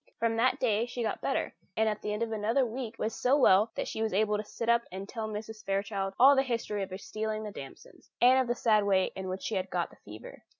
From that day she got better, and at the end of another week was so well that she was able to sit up and tell Mrs. Fairchild all the history of her stealing the damsons, and of the sad way in which she had got the fever.